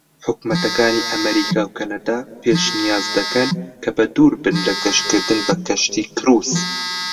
حکومەتەکانی ئەمەریکا و کەنەدا پێشنیاز دەکەن کە بە دووربن لە گەشتکردن بە کەشتی کروس.